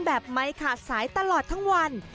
แบบไม่ขาดสายตลอดทั้งวัน